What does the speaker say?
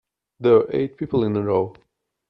There were eight people in a row.